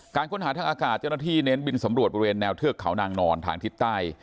ค้นหาทางอากาศเจ้าหน้าที่เน้นบินสำรวจบริเวณแนวเทือกเขานางนอนทางทิศใต้